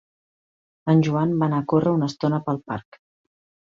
En Joan va anar a córrer una estona pel parc.